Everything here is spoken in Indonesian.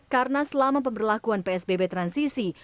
karena selama pemberlakuan psbb transisi